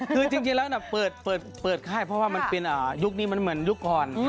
คือจริงแล้วเปิดค่ายเพราะว่ามันเป็นยุคนี้มันเหมือนยุคก่อน